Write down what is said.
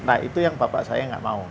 nah itu yang bapak saya nggak mau